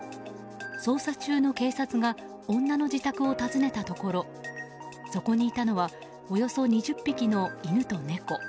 捜査中の警察が女の自宅を訪ねたところそこにいたのはおよそ２０匹の犬と猫。